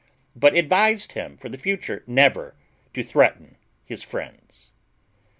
but advised him for the future never to threaten his friends.